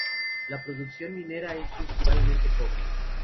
La producción minera es principalmente cobre.